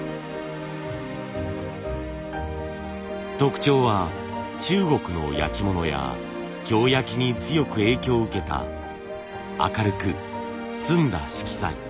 特徴は中国の焼き物や京焼に強く影響を受けた明るく澄んだ色彩。